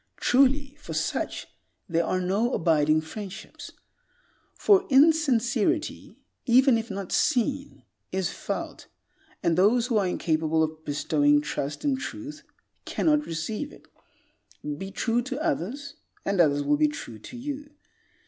Truly, for such there are no abiding friendships. For insincerity, even if not seen, is felt, and those who are incapable of bestowing trust and truth, cannot receive it. Be true to others, and others will be true to you.